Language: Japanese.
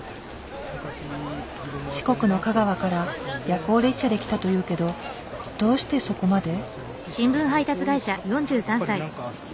四国の香川から夜行列車で来たというけどどうしてそこまで？